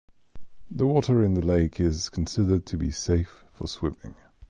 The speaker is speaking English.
The water in the lake is considered to be safe for swimming.